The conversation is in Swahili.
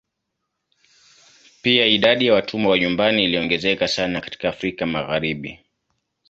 Pia idadi ya watumwa wa nyumbani iliongezeka sana katika Afrika Magharibi.